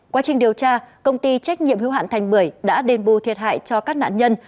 quá trình điều tra công ty trách nhiệm hữu hạn thành bưởi đã đền bù thiệt hại cho các nạn nhân